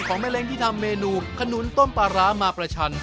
แม่เล้งที่ทำเมนูขนุนต้มปลาร้ามาประชัน